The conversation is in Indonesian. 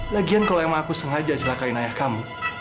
lagian kalau emang aku sengaja celakain ayah kamu